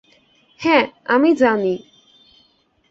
হ্যাঁ, আমি জানি।